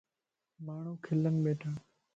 ماڻهون کلن ٻيٺا.